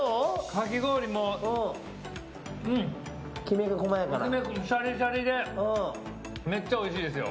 かき氷もシャリシャリでめっちゃおいしいですよ。